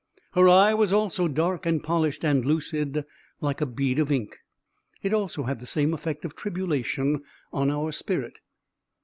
Her eye was also dark and polished and lucid, like a bead of ink. It also had the same effect of tribulation on our spirit.